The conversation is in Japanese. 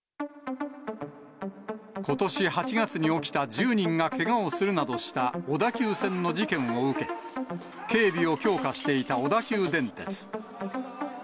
ことし８月に起きた、１０人がけがをするなどした小田急線の事件を受け、警備を強化していた小田急電鉄。